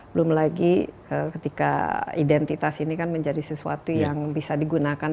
belum lagi ketika identitas ini kan menjadi sesuatu yang bisa digunakan